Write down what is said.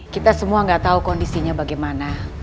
kita semua gak tau kondisinya bagaimana